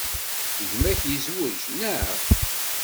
Gma-k yezwej, naɣ?